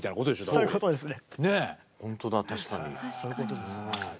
そういうことですね。